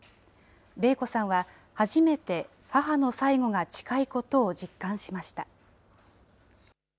礼子さんは、初めて母の最期が近いことを実感しました。